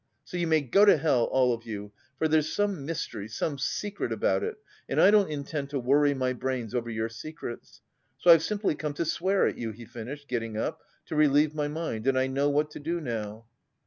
So you may go to hell, all of you, for there's some mystery, some secret about it, and I don't intend to worry my brains over your secrets. So I've simply come to swear at you," he finished, getting up, "to relieve my mind. And I know what to do now."